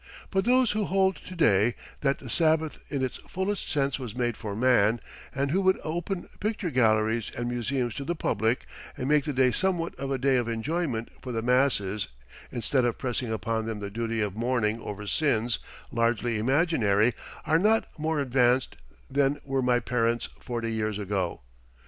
But those who hold to day that the Sabbath in its fullest sense was made for man, and who would open picture galleries and museums to the public, and make the day somewhat of a day of enjoyment for the masses instead of pressing upon them the duty of mourning over sins largely imaginary, are not more advanced than were my parents forty years ago.